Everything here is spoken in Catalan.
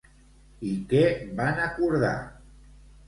I què van acordar?